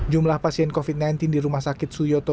jumlah pasien covid sembilan belas di rumah sakit suyoto